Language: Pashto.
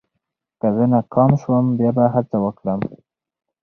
که زه ناکام شوم، بیا به هڅه وکړم.